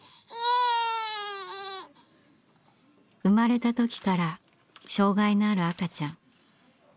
生まれた時から障害のある赤ちゃん。